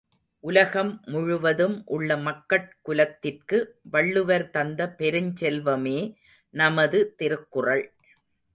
உலகம் முழுவதும் உள்ள மக்கட் குலத்திற்கு வள்ளுவர் தந்த பெருஞ் செல்வமே நமது திருக்குறள்.